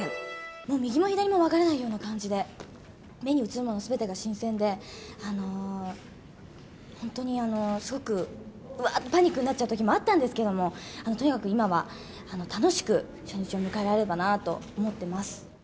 もう右も左も分からないような感じで、目に映るものすべてが新鮮で、本当にすごくわーっとパニックになっちゃうときもあったんですけれども、とにかく今は、楽しく初日を迎えられればなと思ってます。